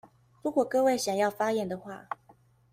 如果各位想要發言的話